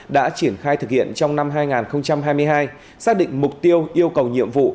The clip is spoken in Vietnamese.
đã triển khai thực hiện trong năm hai nghìn hai mươi hai xác định mục tiêu yêu cầu nhiệm vụ